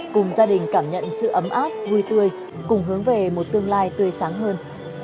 cùng gia đình cảm nhận sự ấm áp vui tươi cùng hướng về một tương lai tươi sáng hơn